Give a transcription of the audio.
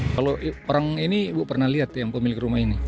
kalau orang ini ibu pernah lihat yang pemilik rumah ini